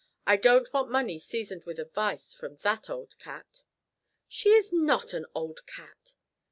I don't want money seasoned with advice from that old cat." "She is not an old cat!"